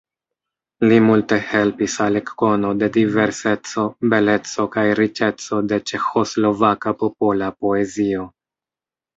Li multe helpis al ekkono de diverseco, beleco kaj riĉeco de ĉeĥoslovaka popola poezio.